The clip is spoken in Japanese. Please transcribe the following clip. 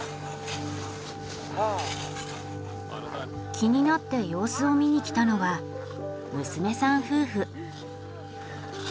気になって様子を見に来たのは娘さん夫婦。